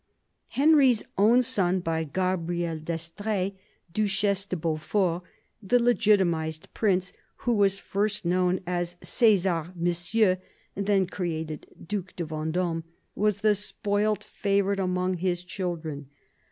Henry's own son by Gabrielle d'Estrees, Duchesse de Beaufort, the legitimised prince who was first known as Cesar Monsieur, then created Due de VendOme, was the spoilt favourite among his children.